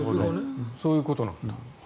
そういうことなんだ。